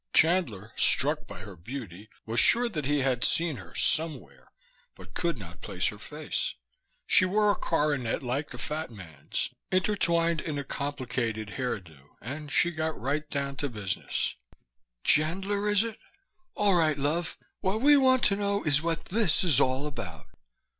Chandler, struck by her beauty, was sure that he had seen her, somewhere, but could not place her face. She wore a coronet like the fat man's, intertwined in a complicated hairdo, and she got right down to business. "Chandler, is it? All right, love, what we want to know is what this is all about."